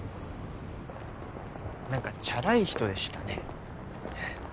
何かチャラい人でしたね。